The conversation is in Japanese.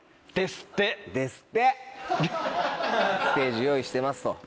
「ステージ用意してます」と。